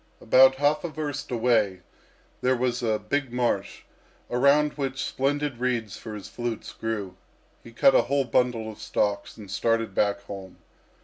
About half a verst away there was a big marsh, around which splendid reeds for his flutes grew. He cut a whole bundle of stalks and started back home.